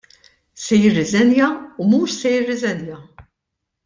Se jirriżenja u mhux se jirriżenja!